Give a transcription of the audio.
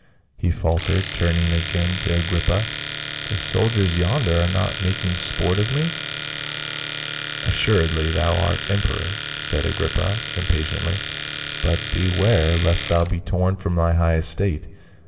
he faltered, turning again to Agrippa. " The soldiers yonder are not making sport of me ?" "Assuredly thou art emperor," said Agrippa impa tiently, "but beware, lest thou be torn from thy high estate.